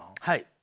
はい。